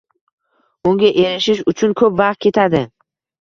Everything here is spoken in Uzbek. Unga erishish uchun ko’p vaqt ketadi.